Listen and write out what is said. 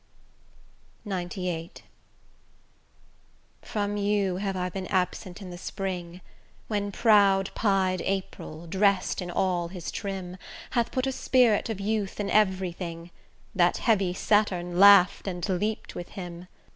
XCVIII From you have I been absent in the spring, When proud pied April, dress'd in all his trim, Hath put a spirit of youth in every thing, That heavy Saturn laugh'd and leap'd with him.